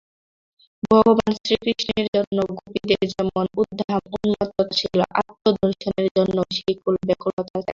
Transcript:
ভগবান শ্রীকৃষ্ণের জন্য গোপীদের যেমন উদ্দাম উন্মত্ততা ছিল, আত্মদর্শনের জন্যও সেইরূপ ব্যাকুলতা চাই।